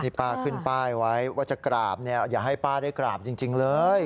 ป้าขึ้นป้ายไว้ว่าจะกราบเนี่ยอย่าให้ป้าได้กราบจริงเลย